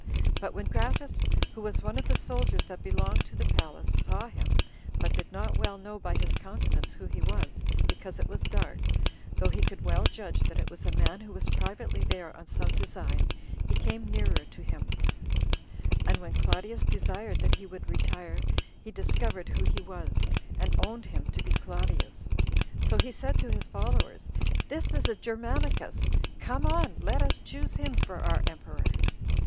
But when Gratus, who was one of the soldiers that belonged to the palace, saw him, but did not well know by his countenance who he was, because it was dark, though he could well judge that it was a man who was privately there on some design, he came nearer to him; and when Claudius desired that he would retire, he discovered who he was, and owned him to be Claudius. So he said to his followers, "This is a Germanicus; 12 come on, let us choose him for our emperor."